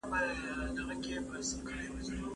څنګه ځايي بڼوال قیمتي ډبرې اروپا ته لیږدوي؟